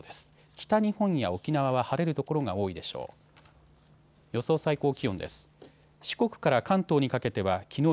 北日本や沖縄は晴れる所が多いでしょう。